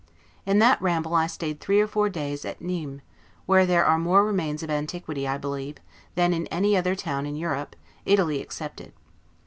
In that ramble I stayed three or four days at Nimes, where there are more remains of antiquity, I believe, than in any town in Europe, Italy excepted.